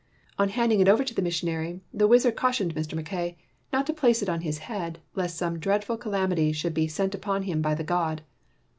On handing it over to the missionary the wiz ard cautioned Mr. Mackay not to place it on his head lest some dreadful calamity should be sent upon him by the god.